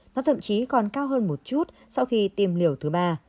nó thậm chí còn cao hơn một chút sau khi tiêm liều thứ ba